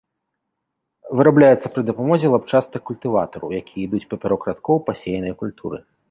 Вырабляецца пры дапамозе лапчастых культыватараў, якія ідуць папярок радкоў пасеянай культуры.